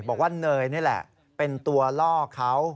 บอกว่าเนยนี่แหละเป็นตัวล่อเขา